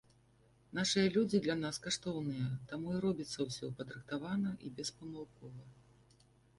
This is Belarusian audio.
Нашыя людзі для нас каштоўныя, таму і робіцца ўсё падрыхтавана і беспамылкова.